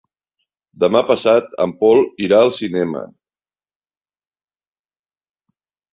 Demà passat en Pol irà al cinema.